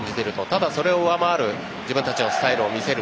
ただ、それを上回る自分たちのスタイルを見せる